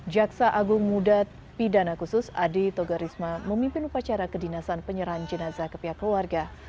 jaksa agung muda pidana khusus adi togarisma memimpin upacara kedinasan penyerahan jenazah ke pihak keluarga